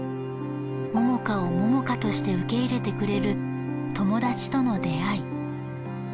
萌々花を萌々花として受け入れてくれる友達との出会い